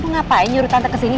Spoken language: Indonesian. kamu ngapain nyuruh tante kesini